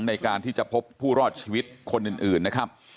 ในการที่จะพบผู้รอดชีวิตคนอื่นนะครับ